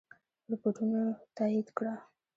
رپوټونو تایید کړه.